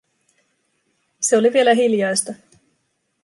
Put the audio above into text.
Se oli vielä hiljaista.